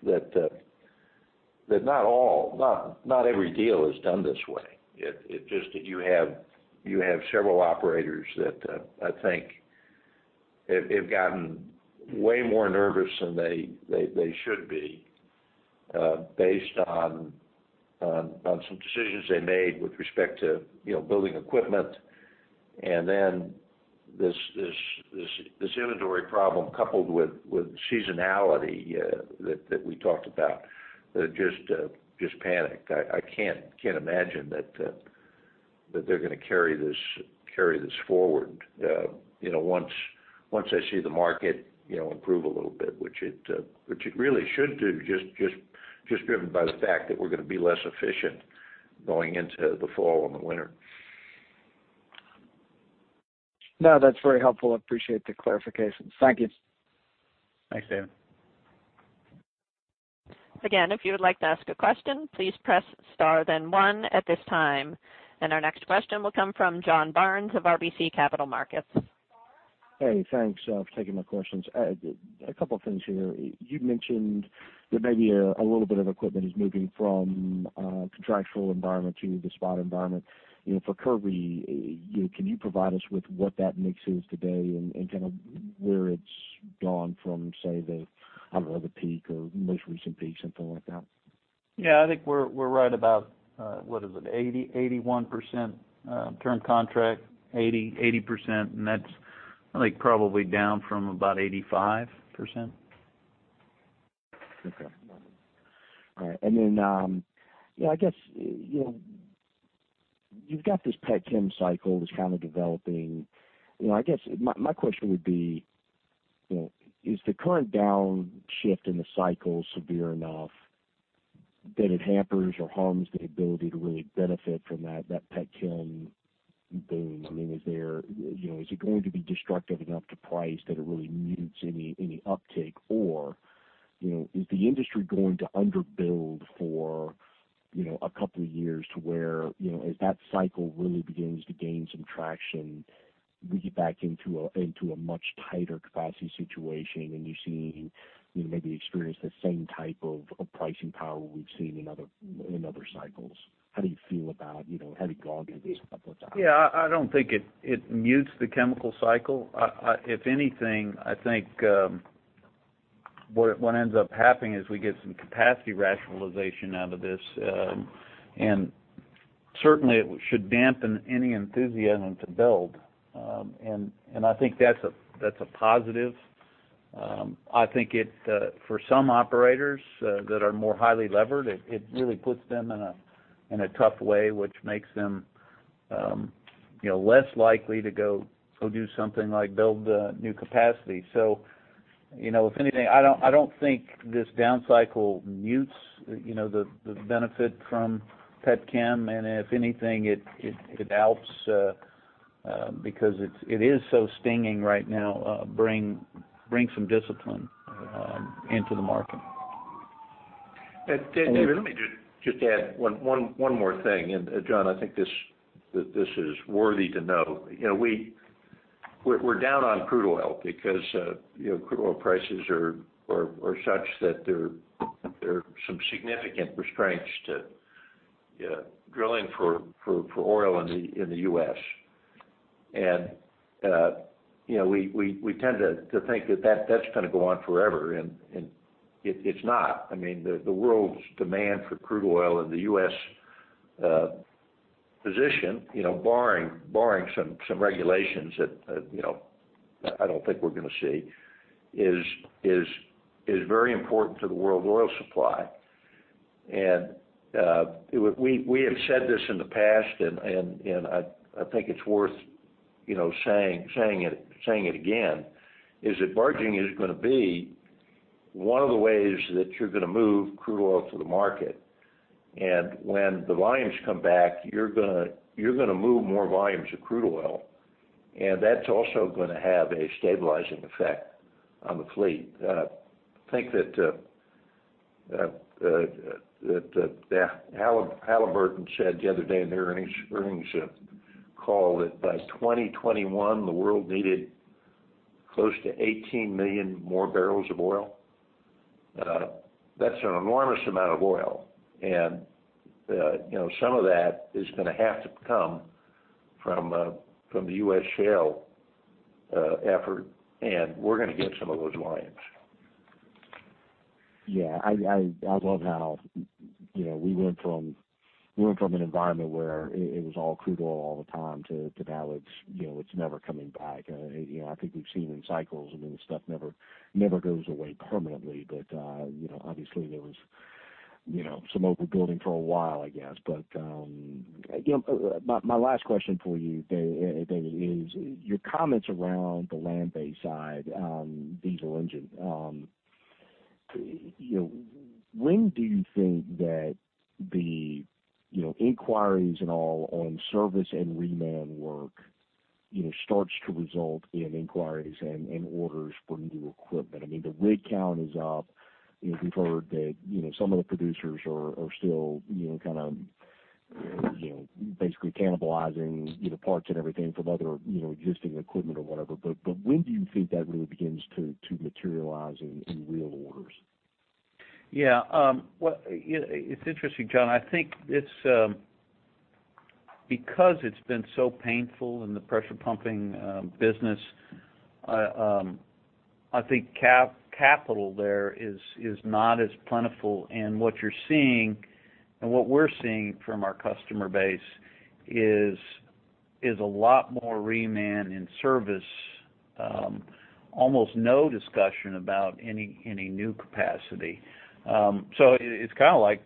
that not all, not every deal is done this way. It's just that you have several operators that I think have gotten way more nervous than they should be, based on some decisions they made with respect to, you know, building equipment. And then this inventory problem, coupled with seasonality, that we talked about, just panic. I can't imagine that they're gonna carry this forward, you know, once they see the market, you know, improve a little bit, which it really should do, just driven by the fact that we're gonna be less efficient going into the fall and the winter. No, that's very helpful. I appreciate the clarification. Thank you. Thanks, David. Again, if you would like to ask a question, please press star, then one at this time. Our next question will come from John Barnes of RBC Capital Markets. Hey, thanks for taking my questions. A couple of things here. You mentioned that maybe a little bit of equipment is moving from contractual environment to the spot environment. You know, for Kirby, you know, can you provide us with what that mix is today and kind of where it's gone from, say, the, I don't know, the peak or most recent peak, something like that? Yeah, I think we're, we're right about, what is it? 80%-81% term contract, 80%, and that's, I think, probably down from about 85%. Okay. All right. And then, yeah, I guess, you know, you've got this petchem cycle that's kind of developing. You know, I guess my, my question would be, you know, is the current downshift in the cycle severe enough that it hampers or harms the ability to really benefit from that, that petchem boom? I mean, is there, you know, is it going to be destructive enough to price that it really mutes any, any uptake? Or, you know, is the industry going to underbuild for, you know, a couple of years to where, you know, as that cycle really begins to gain some traction, we get back into a, into a much tighter capacity situation, and you're seeing, you maybe experience the same type of, of pricing power we've seen in other, in other cycles. How do you feel about, you know, how do you gauge these types of times? Yeah, I don't think it mutes the chemical cycle. If anything, I think what ends up happening is we get some capacity rationalization out of this. And certainly, it should dampen any enthusiasm to build. And I think that's a positive. I think for some operators that are more highly levered, it really puts them in a tough way, which makes them, you know, less likely to go do something like build new capacity. So, you know, if anything, I don't think this down cycle mutes, you know, the benefit from petchem, and if anything, it helps because it is so stinging right now, bring some discipline into the market. David, let me just add one more thing. John, I think this is worthy to know. You know, we're down on crude oil because, you know, crude oil prices are such that there are some significant restraints to- Yeah, drilling for oil in the U.S. And, you know, we tend to think that, that's gonna go on forever, and it, it's not. I mean, the world's demand for crude oil and the U.S. position, you know, barring some regulations that, you know, I don't think we're gonna see, is very important to the world oil supply. And, we have said this in the past, and I think it's worth, you know, saying it again, is that barging is gonna be one of the ways that you're gonna move crude oil to the market. And when the volumes come back, you're gonna move more volumes of crude oil, and that's also gonna have a stabilizing effect on the fleet. I think that Halliburton said the other day in their earnings call that by 2021, the world needed close to 18 million more barrels of oil. That's an enormous amount of oil, and you know, some of that is gonna have to come from the U.S. shale effort, and we're gonna get some of those volumes. Yeah, I love how, you know, we went from an environment where it was all crude oil all the time, to now it's, you know, it's never coming back. You know, I think we've seen in cycles, I mean, this stuff never goes away permanently. But, you know, obviously, there was, you know, some overbuilding for a while, I guess. But, you know, my last question for you, David, is your comments around the land-based side on diesel engine. You know, when do you think that the, you know, inquiries and all on service and reman work, you know, starts to result in inquiries and orders for new equipment? I mean, the rig count is up. You know, we've heard that, you know, some of the producers are still, you know, kind of, you know, basically cannibalizing, you know, parts and everything from other, you know, existing equipment or whatever. But when do you think that really begins to materialize in real orders? Yeah, well, it's interesting, John. I think it's because it's been so painful in the pressure pumping business. I think capital there is not as plentiful. And what you're seeing, and what we're seeing from our customer base is a lot more reman and service, almost no discussion about any new capacity. So it's kind of like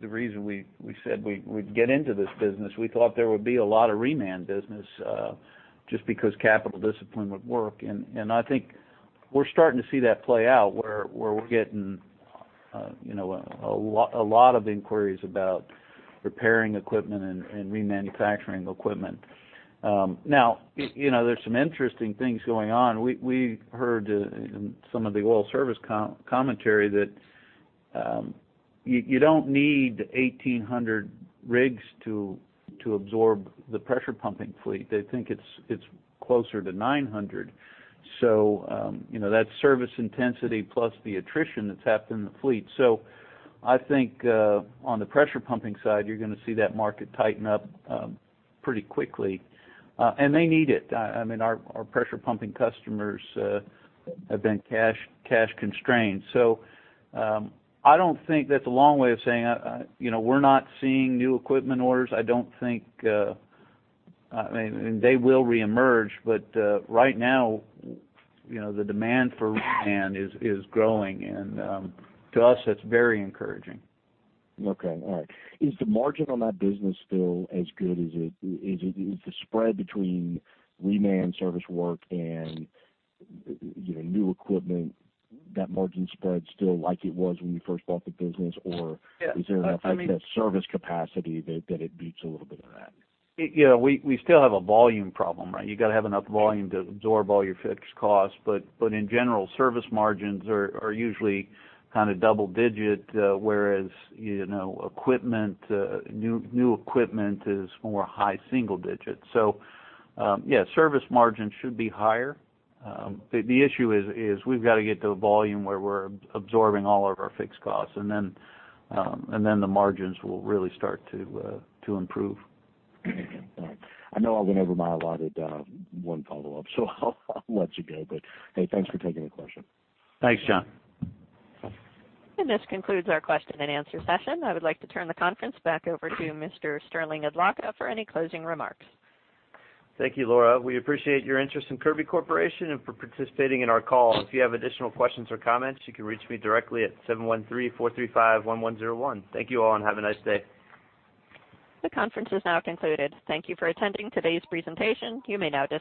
the reason we said we'd get into this business. We thought there would be a lot of reman business, just because capital discipline would work. And I think we're starting to see that play out, where we're getting, you know, a lot of inquiries about repairing equipment and remanufacturing equipment. Now, you know, there's some interesting things going on. We heard in some of the oil service commentary that you don't need 1,800 rigs to absorb the pressure pumping fleet. They think it's closer to 900. So you know, that's service intensity plus the attrition that's happened in the fleet. So I think on the pressure pumping side, you're gonna see that market tighten up pretty quickly. And they need it. I mean, our pressure pumping customers have been cash constrained. So I don't think that's a long way of saying you know, we're not seeing new equipment orders. I don't think I mean, and they will reemerge, but right now, you know, the demand for reman is growing, and to us, that's very encouraging. Okay, all right. Is the margin on that business still as good? Is it the spread between reman service work and, you know, new equipment, that margin spread still like it was when you first bought the business, or- Yeah, I mean- Is there enough service capacity that it eats a little bit of that? You know, we still have a volume problem, right? You've got to have enough volume to absorb all your fixed costs. But in general, service margins are usually kind of double digit, whereas, you know, equipment, new equipment is more high single digit. So, yeah, service margins should be higher. The issue is we've got to get to a volume where we're absorbing all of our fixed costs, and then the margins will really start to improve. All right. I know I went over my allotted one follow-up, so I'll let you go. But hey, thanks for taking the question. Thanks, John. This concludes our question and answer session. I would like to turn the conference back over to Mr. Sterling Adlakha for any closing remarks. Thank you, Laura. We appreciate your interest in Kirby Corporation and for participating in our call. If you have additional questions or comments, you can reach me directly at 713-435-1101. Thank you all, and have a nice day. The conference is now concluded. Thank you for attending today's presentation. You may now disconnect.